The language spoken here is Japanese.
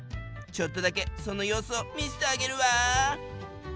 ちょっとだけその様子を見せてあげるわ。